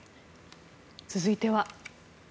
続いては。